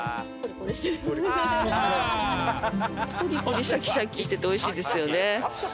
コリコリシャキシャキしてておいしいですよね。